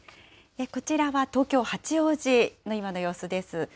こちらは東京・八王子の今の様子です。